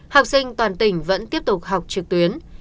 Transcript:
học sinh toàn tỉnh vẫn tiếp tục học trực tuyến